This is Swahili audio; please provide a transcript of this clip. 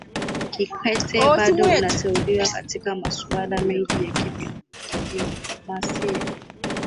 Kikwete bado anateuliwa katika masuala mengi ya kidiplomasia